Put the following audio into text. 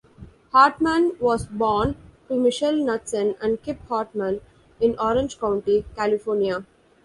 Hartman was born to Michele Knutsen and Kip Hartman in Orange County, California.